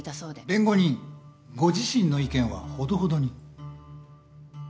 弁護人ご自身の意見はほどほどに。